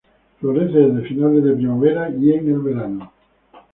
Florece desde finales de primavera y en el verano.